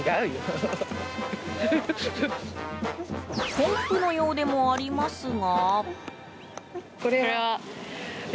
ポンプのようでもありますが。